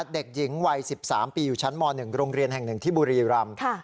เด็กหญิงวัย๑๓ปีอยู่ชั้นม๑โรงเรียนแห่งหนึ่งที่บุรีรำ